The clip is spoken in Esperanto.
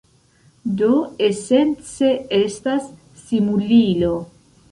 Do esence estas simulilo.